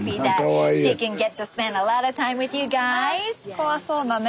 怖そうなね。